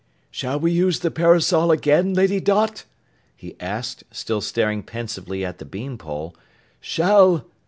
"Shall we use the parasol again, Lady Dot?" he asked, still staring pensively at the bean pole. "Shall